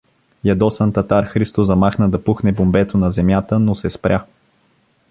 Ядосан, Татар Христо замахна да пухне бомбето на земята, но се спря.